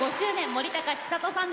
森高千里さんです。